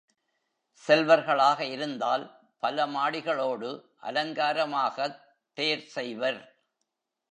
செல்வர்களாக இருந்தால் பல மாடிகளோடு அலங்காரமாகத் தேர் செய்வர்.